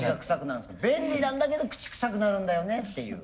便利なんだけど口くさくなるんだよねっていう。